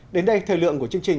đến đây thời lượng của chương trình